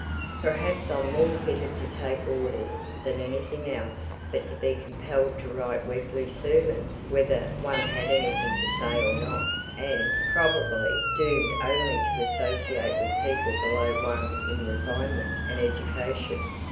Perhaps I'm more fitted to take 'orders' than anything else; but to be compelled to write weekly sermons whether one had anything to say or not, and, probably, doomed only to associate with people below one in refinement and education!